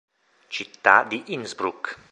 Città di Innsbruck